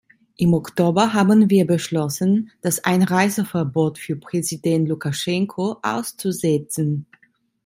Im Oktober haben wir beschlossen, das Einreiseverbot für Präsident Lukaschenko auszusetzen.